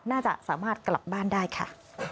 น่าจะสามารถกลับบ้านได้ค่ะ